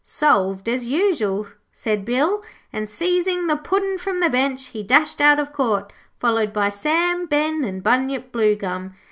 'Solved, as usual,' said Bill and, seizing the Puddin' from the bench, he dashed out of Court, followed by Sam, Ben, and Bunyip Bluegum.